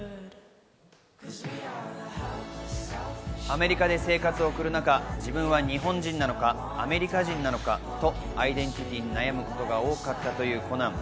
アメリカで生活を送る中、自分は日本人なのかアメリカ人なのかとアイデンティティに悩むことが多かったというコナン。